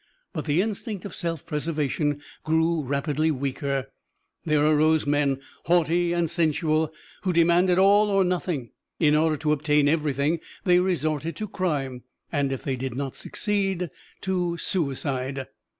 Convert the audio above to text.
But the instinct of self preservation grew rapidly weaker; there arose men, haughty and sensual, who demanded all or nothing. In order to obtain everything they resorted to crime, and if they did not succeed to suicide.